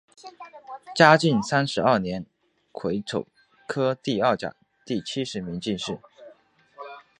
嘉靖三十二年癸丑科第二甲第七十名进士。